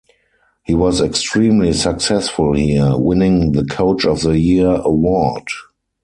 He was extremely successful here, winning the "Coach of the Year" award.